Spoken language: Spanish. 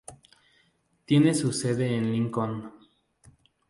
Tiene su sede en Lincoln.